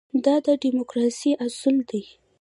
دا د ډیموکراسۍ اصل دی.